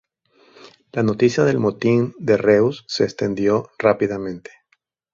La noticia del motín de Reus se extendió rápidamente.